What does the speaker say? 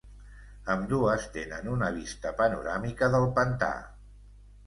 Ambdues tenen una vista panoràmica del pantà.